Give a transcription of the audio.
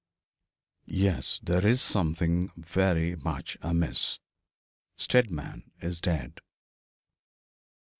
'Yes, there is something very much amiss. Steadman is dead.'